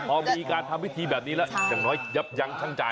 พอมีการทำพิธีแบบนี้แล้วอย่างน้อยยับยั้งช่างใจ